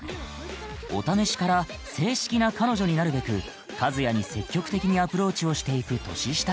お試しから正式な彼女になるべく和也に積極的にアプローチをしていく年下